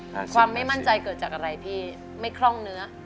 ความไม่มั่นใจเกิดจากอะไรพี่ไม่คล่องเนื้อ